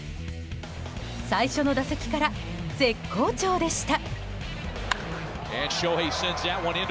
最初の打席から絶好調でした。